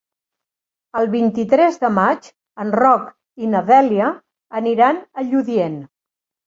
El vint-i-tres de maig en Roc i na Dèlia aniran a Lludient.